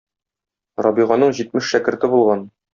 Рабиганың җитмеш шәкерте булган.